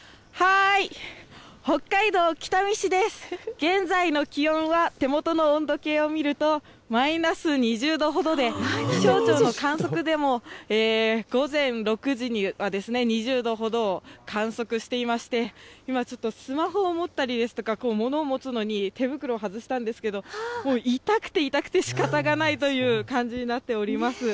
現在の気温は、手元の温度計を見ると、マイナス２０度ほどで、気象庁の観測でも、午前６時には２０度ほど観測していまして、今ちょっとスマホを持ったりですとか、ものを持つのに手袋を外したんですけれども、もう痛くて痛くてしかたがないという感じになっております。